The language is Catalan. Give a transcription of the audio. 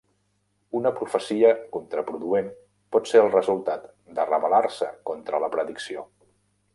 Una profecia contraproduent pot ser el resultat de rebel·lar-se contra la predicció.